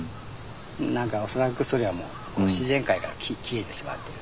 何か恐らくそれはもう自然界から消えてしまっている。